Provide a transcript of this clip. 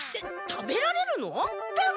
食べられる！